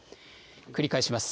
繰り返します。